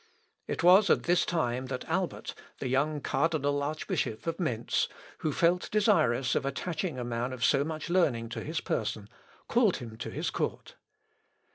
It was at this time that Albert, the young cardinal archbishop of Mentz, who felt desirous of attaching a man of so much learning to his person, called him to his court.